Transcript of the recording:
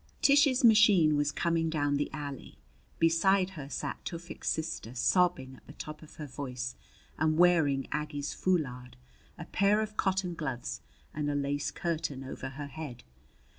Tish's machine was coming down the alley. Beside her sat Tufik's sister, sobbing at the top of her voice and wearing Aggie's foulard, a pair of cotton gloves, and a lace curtain over her head.